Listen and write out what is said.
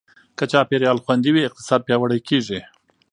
که چاپېریال خوندي وي، اقتصاد پیاوړی کېږي.